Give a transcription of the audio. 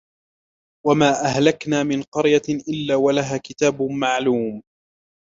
وَمَا أَهْلَكْنَا مِنْ قَرْيَةٍ إِلَّا وَلَهَا كِتَابٌ مَعْلُومٌ